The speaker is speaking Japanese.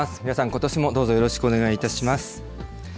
皆さん、ことしもどうぞよろしくお願いいたします。